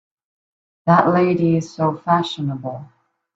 That lady is so fashionable!